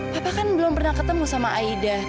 bapak kan belum pernah ketemu sama aida